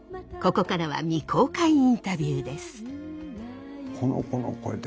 ここからは未公開インタビューです。